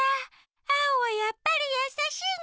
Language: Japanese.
アオはやっぱりやさしいね。